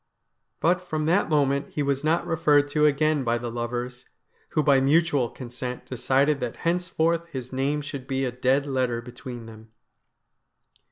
But from that moment he was not referred to again by the lovers, who by mutual consent decided that henceforth his name should be a dead letter between them.